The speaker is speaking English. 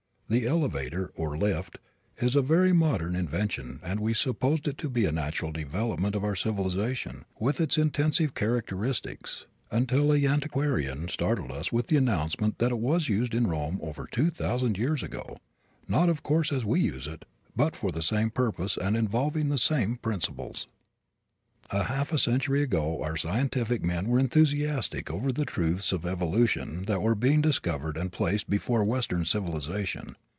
The elevator, or lift, is a very modern invention and we supposed it to be a natural development of our civilization, with its intensive characteristics, until an antiquarian startled us with the announcement that it was used in Rome over two thousand years ago; not, of course, as we use it, but for the same purpose, and involving the same principles. A half century ago our scientific men were enthusiastic over the truths of evolution that were being discovered and placed before western civilization.